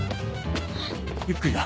ゆっくりな。